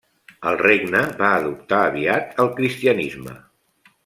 El regne va adoptar aviat el cristianisme.